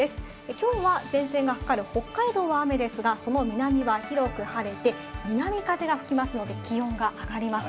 きょうは前線がかかる北海道は雨ですが、その南は広く晴れて南風が吹きますので、気温が上がります。